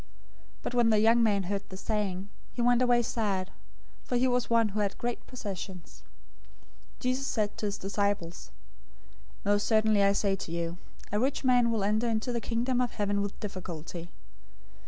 019:022 But when the young man heard the saying, he went away sad, for he was one who had great possessions. 019:023 Jesus said to his disciples, "Most certainly I say to you, a rich man will enter into the Kingdom of Heaven with difficulty.